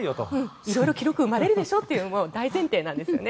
色々、記録生まれるでしょという大前提なんですよね。